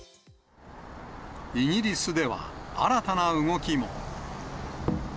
イギリスでは、新たな動きも。